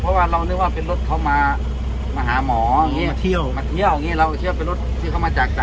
เพราะว่าเรานึกว่าเป็นรถเขามามหาหมออย่างเนี้ยเขามา